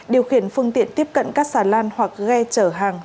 điều khiển phương tiện tiếp cận các xà lan hoặc ghe chở hàng